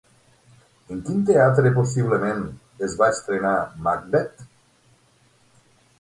En quin teatre possiblement es va estrenar Macbeth?